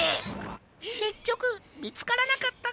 けっきょくみつからなかったか。